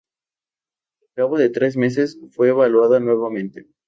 Al cabo de tres meses, fue evaluada nuevamente.